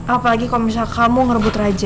apalagi kalau misalnya kamu ngerebut raja